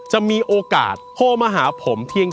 จะมีโอกาสโทรมาหาผมเพียง